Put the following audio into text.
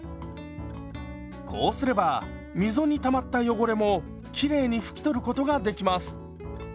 こうすれば溝にたまった汚れもきれいに拭き取ることができます。